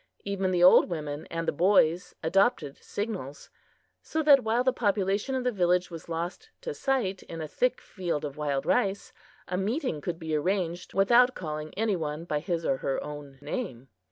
Even the old women and the boys adopted signals, so that while the population of the village was lost to sight in a thick field of wild rice, a meeting could be arranged without calling any one by his or her own name.